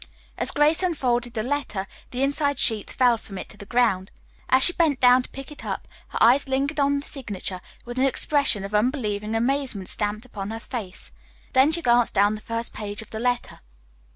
As Grace unfolded the letter the inside sheet fell from it to the ground. As she bent to pick it up her eyes lingered upon the signature with an expression of unbelieving amazement stamped upon her face. Then she glanced down the first page of the letter.